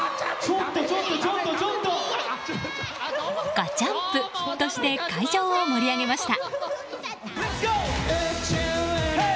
ガチャＭＰとして会場を盛り上げました。